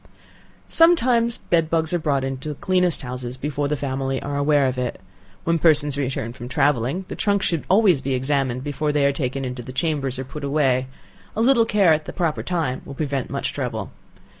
Sometimes bed bugs are brought in the cleanest houses before the family are aware of it. When persons return from travelling, the trunks should always be examined before they are taken into the chambers, or put away; a little care at the proper time will prevent much trouble.